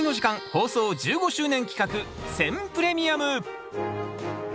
放送１５周年企画選プレミアム。